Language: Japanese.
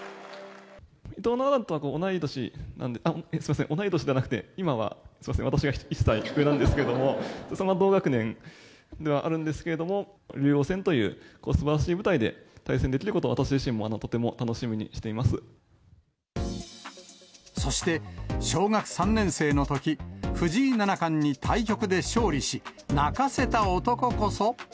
伊藤七段とは同い年、すみません、同い年ではなくて、今はすみません、私が１歳上なんですけれども、その同学年ではあるんですけれども、竜王戦という、すばらしい舞台で対戦できることは、私自身、とても楽しみにしてそして、小学３年生のとき、藤井七冠に対局で勝利し、泣かせた男こそ。